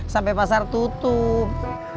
sampai pasar tutup